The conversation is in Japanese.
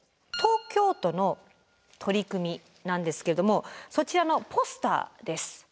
東京都の取り組みなんですけれどもそちらのポスターです。